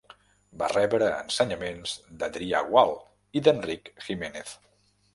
Va rebre ensenyaments d'Adrià Gual i d'Enric Giménez.